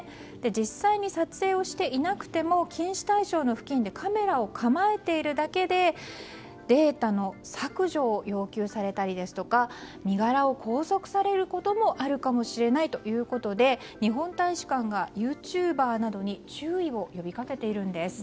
実際に撮影をしていなくても禁止対象の付近でカメラを構えているだけでデータの削除を要求されたり身柄を拘束されることもあるかもしれないということで日本大使館がユーチューバーなどに注意を呼び掛けているんです。